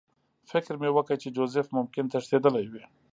فکر مې وکړ چې جوزف ممکن تښتېدلی وي